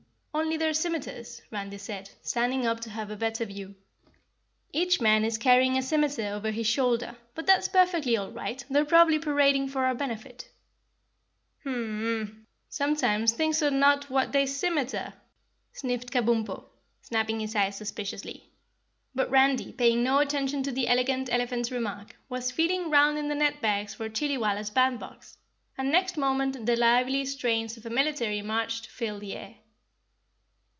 "Only their scimiters," Randy said, standing up to have a better view. "Each man is carrying a scimiter over his shoulder, but that's perfectly all right, they're probably parading for our benefit." "Mm mm! Sometimes things are not what they scim iter!" sniffed Kabumpo, snapping his eyes suspiciously. But Randy, paying no attention to the Elegant Elephant's remark, was feeling round in the net bags for Chillywalla's band box, and next moment the lively strains of a military march filled the air.